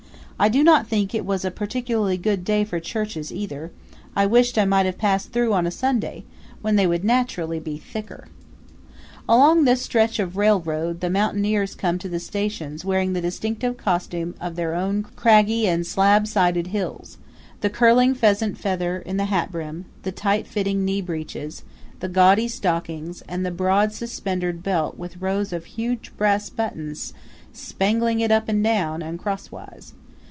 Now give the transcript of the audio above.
I do not think it was a particularly good day for churches either; I wished I might have passed through on a Sunday, when they would naturally be thicker. Along this stretch of railroad the mountaineers come to the stations wearing the distinctive costume of their own craggy and slabsided hills the curling pheasant feather in the hatbrim; the tight fitting knee breeches; the gaudy stockings; and the broad suspendered belt with rows of huge brass buttons spangling it up and down and crosswise.